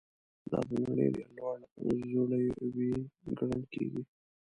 دا د نړۍ ډېر لوړ ځړوی ګڼل کیږي.